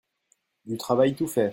Du travail tout fait.